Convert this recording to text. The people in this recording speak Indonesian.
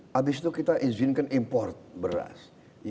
habis itu kita izinkan import beras